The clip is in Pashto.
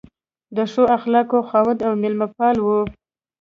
د ښو اخلاقو خاوند او مېلمه پال و.